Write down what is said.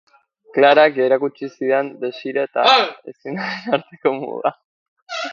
Clarak erakutsi zidan desira eta ezinaren arteko muga.